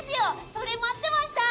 それ待ってました！